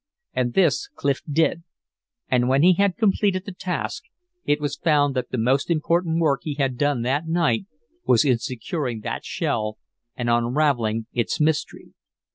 And this Clif did; and when he had completed the task it was found that the most important work he had done that night, was in securing that shell and unraveling its mystery.